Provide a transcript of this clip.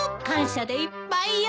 感謝でいっぱいよ。